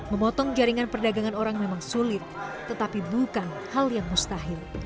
memotong jaringan perdagangan orang memang sulit tetapi bukan hal yang mustahil